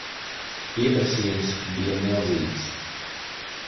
Pieprasījums bija milzīgs.